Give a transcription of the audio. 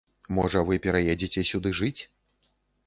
Можа вы пераедзеце сюды жыць?